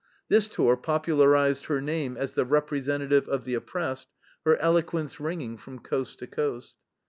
This tour popularized her name as the representative of the oppressed, her eloquence ringing from coast to coast.